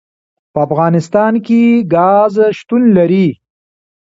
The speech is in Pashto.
په افغانستان کې ګاز شتون لري.